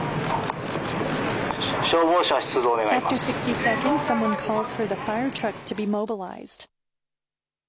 消防車、出動願います。